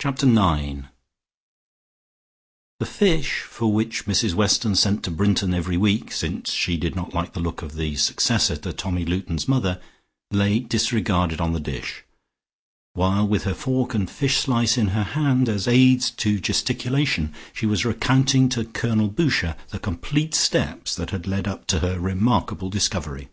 Chapter NINE The fish for which Mrs Weston sent to Brinton every week since she did not like the look of the successor to Tommy Luton's mother lay disregarded on the dish, while with fork and fish slice in her hand, as aids to gesticulation, she was recounting to Colonel Boucher the complete steps that had led up to her remarkable discovery.